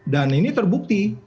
dan ini terbukti